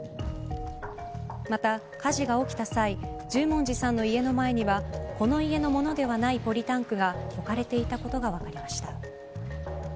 また火事が起きた際十文字さんの家の前にはこの家のものではないポリタンクが置かれていたことが分かりました。